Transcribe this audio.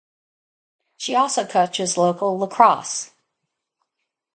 She also coaches local lacrosse.